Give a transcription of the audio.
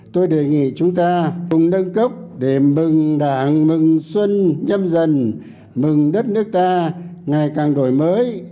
tôi đề nghị chúng ta cùng nâng cốc để mừng đảng mừng xuân nhâm dần mừng đất nước ta ngày càng đổi mới